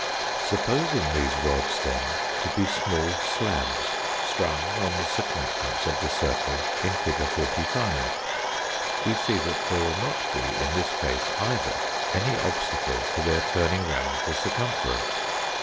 Supposing these rods, then, to be small slabs strung on the circumference of the circle in fig. 45, we see that there will not be in this case either any obstacle to their turning round the circumference.